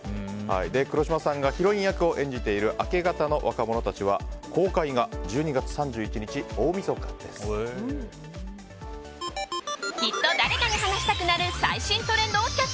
黒島さんがヒロイン役を演じている「明け方の若者たち」は公開が１２月３１日きっと誰かに話したくなる最新トレンドをキャッチ。